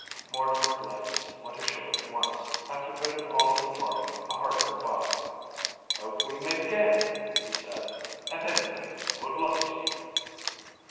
Mortimer Blaze went ashore at once, after bidding all of the party a hearty good by. "Hope we meet again," he said. "And, anyway, good luck to you!"